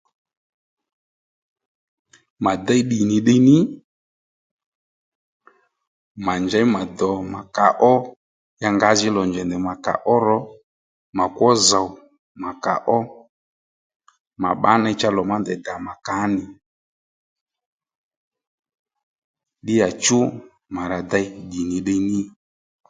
Mà déy ddì nì ddiy ní mà njěy mà dò mà kàó ya ngǎajìní lò njèy ndèy mà kàó ro mà kwó zòw mà kàó mà bbá cha lò má ney dèy dà mà kàó nì ddíyàchú mà rà dey ddì nì ddiy ní